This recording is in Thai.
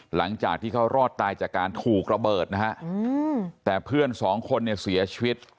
หลังจากที่เขารอดตายจากการถูกระเบิดนะฮะแต่เพื่อนสองคนเนี่ยเสียชีวิต